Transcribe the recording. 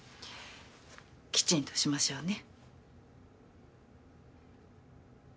きちんとしましょうね。